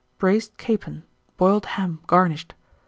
_ Braised Capon. Boiled Ham, garnished.